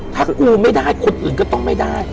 ถ้ากูไม่ได้คนอื่นก็ต้องไม่ได้